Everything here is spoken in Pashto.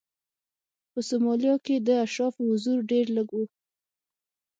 په سومالیا کې د اشرافو حضور ډېر لږ و.